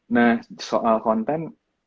nah soal konten